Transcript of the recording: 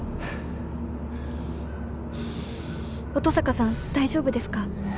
「音坂さん大丈夫ですか」